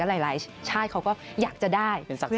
ก็หลายชาติเขาก็อยากจะได้